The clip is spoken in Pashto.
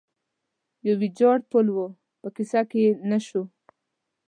یو ویجاړ پل و، په کیسه کې یې نه شو.